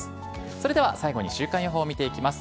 それでは最後に、週間予報見ていきます。